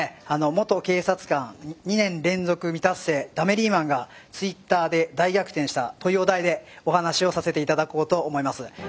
「元警察官２年連続『未達成』ダメリーマンがＴｗｉｔｔｅｒで大逆転した」というお題でお話をさせて頂こうと思います。